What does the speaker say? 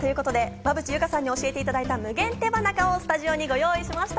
馬淵優佳さんに教えていただいた無限手羽中をスタジオにご用意しました。